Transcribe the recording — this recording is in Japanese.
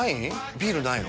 ビールないの？